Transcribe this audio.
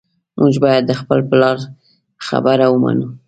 موږ باید د خپل پلار خبره ومنو